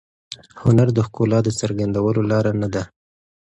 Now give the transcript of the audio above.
هنر د ښکلا د څرګندولو لاره نه ده.